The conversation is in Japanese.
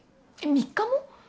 ３日も？